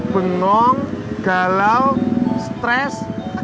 bengong galau stres